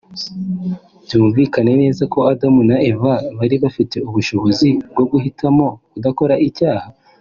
Byumvikane neza ko Adamu na Eva bari bafite ubushobozi bwo guhitamo kudakora icyaha